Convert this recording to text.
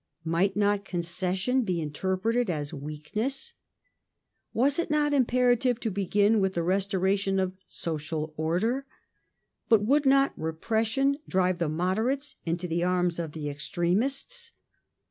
Might not concession be inter preted as weakness ?^ Was it not imperative to begin with the restoration of social order ? But would not repression drive the moderates into the arms of the extremists